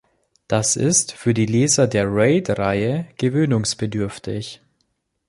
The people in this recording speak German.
Das ist für die Leser der Raid-Reihe gewöhnungsbedürftig.